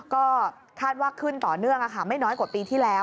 ก็คาดว่าขึ้นต่อเนื่องไม่น้อยกว่าปีที่แล้ว